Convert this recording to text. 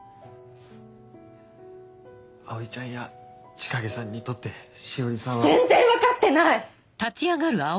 葵ちゃんや千景さんにとって詩織さんは。全然分かってない！